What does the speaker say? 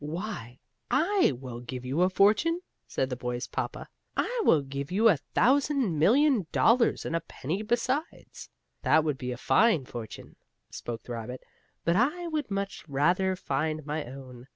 "Why, I will give you a fortune!" said the boy's papa. "I will give you a thousand million dollars, and a penny besides." "That would be a fine fortune," spoke the rabbit, "but I would much rather find my own.